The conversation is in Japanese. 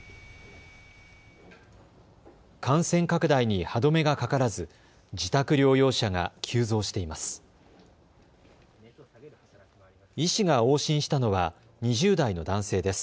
感染拡大に歯止めがかからず自宅療養者が急増しています。